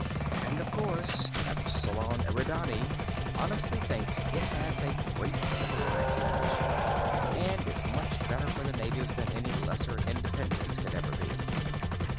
"And, of course, Epsilon Eridani honestly thinks it has a great civilizing mission, and is much better for the natives than any lesser independence could ever be.